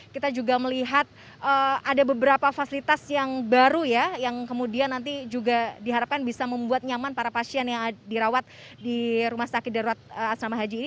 kita juga melihat ada beberapa fasilitas yang baru ya yang kemudian nanti juga diharapkan bisa membuat nyaman para pasien yang dirawat di rumah sakit darurat asrama haji ini